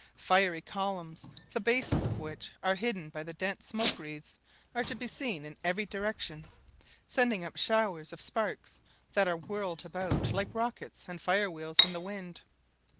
Fiery columns, the bases of which are hidden by the dense smoke wreaths, are to be seen in every direction, sending up showers of sparks that are whirled about like rockets and fire wheels in the wind.